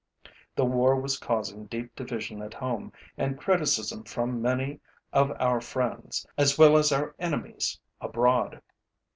The war was causing deep division at home and criticism from many of our friends, as well as our enemies, abroad.